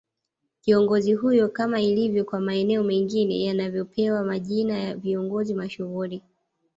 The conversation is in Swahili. Kiongozi huyo kama ilivyo kwa maeneo mengine yanavyopewa majina ya viongozi mashuhuli